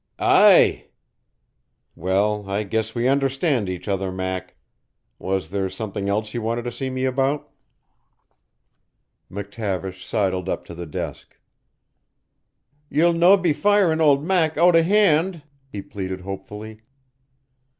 "Aye." "Well, I guess we understand each other, Mac. Was there something else you wanted to see me about?" McTavish sidled up to the desk. "Ye'll no be firin' auld Mac oot o' hand?" he pleaded hopefully.